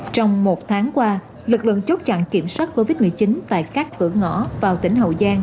trong một tháng qua lực lượng chốt chặn kiểm soát covid một mươi chín tại các cửa ngõ vào tỉnh hậu giang